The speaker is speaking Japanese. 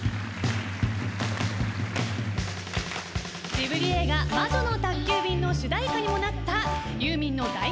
ジブリ映画『魔女の宅急便』の主題歌にもなったユーミンの代表曲。